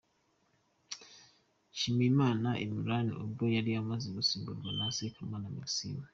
Nshimiyimana Imran ubwo yari amaze gusimburwa na Sekamana Maxime.